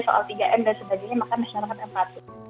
soal tiga m dan sebagainya maka masyarakat yang patuh